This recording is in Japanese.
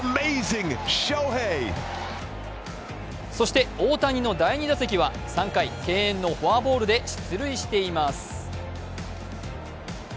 そして大谷の第２打席は３回、敬遠のフォアボールで出塁しています。